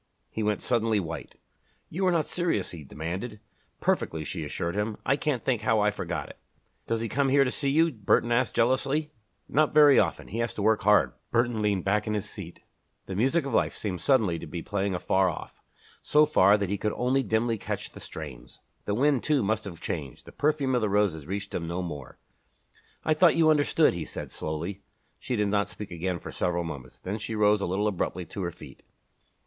He went suddenly white. "You are not serious?" he demanded. "Perfectly," she assured him. "I can't think how I forgot it." "Does he come here to see you?" Burton asked, jealously. "Not very often. He has to work hard." Burton leaned back in his seat. The music of life seemed suddenly to be playing afar off so far that he could only dimly catch the strains. The wind, too, must have changed the perfume of the roses reached him no more. "I thought you understood," he said slowly. She did not speak again for several moments. Then she rose a little abruptly to her feet.